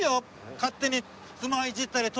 勝手に。